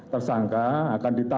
tersangka akan diberikan